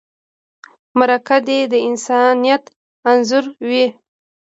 مرکه دې د انسانیت انځور وي.